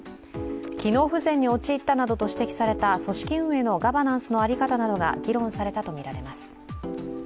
機能不全に陥ったなどと指摘された組織運営のガバナンスの在り方などが議論されたとみられます。